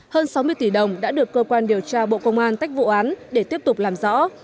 hơn sáu mươi tỷ đồng đã được cơ quan điều tra bộ công an tách vụ án để tiếp tục làm rõ